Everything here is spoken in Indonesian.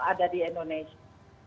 ada di indonesia